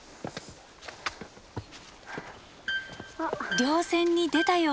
稜線に出たようです。